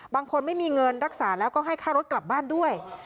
ไม่มีเงินรักษาแล้วก็ให้ค่ารถกลับบ้านด้วย